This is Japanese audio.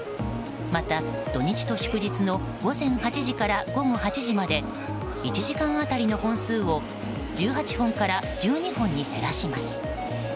また、土日と祝日の午前８時から午後８時まで１時間当たりの本数を１８本から１２本に減らします。